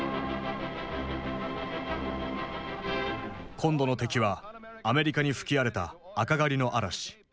今度の敵はアメリカに吹き荒れた「赤狩り」の嵐。